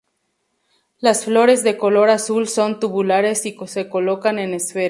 Las flores de color azul son tubulares y se colocan en esferas.